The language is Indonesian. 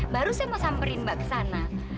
baru saya mau samperin mbak kesana